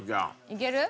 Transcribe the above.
いける？